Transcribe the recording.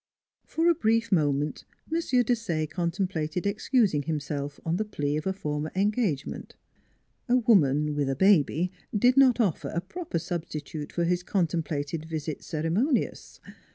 For a brief moment M. Desaye contemplated excusing himself on the plea of a former engage ment. A woman, with a baby, did not offer a proper substitute for his contemplated visit cere monious.